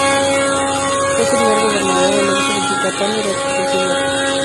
Fue el primer gobernador electo de Yucatán durante el porfiriato.